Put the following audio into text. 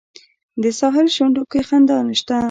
د ساحل شونډو کې خندا نشته